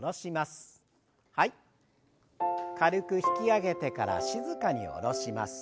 軽く引き上げてから静かに下ろします。